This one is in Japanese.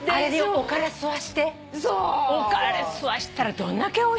おから吸わせたらどんだけおいしいか。